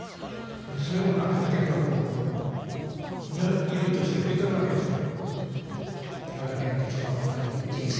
でそういうものは観客はこう匂いとして受け取るわけですよ。